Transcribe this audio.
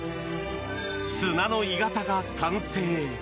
砂の鋳型が完成。